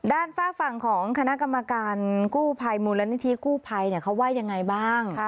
ฝากฝั่งของคณะกรรมการกู้ภัยมูลนิธิกู้ภัยเขาว่ายังไงบ้าง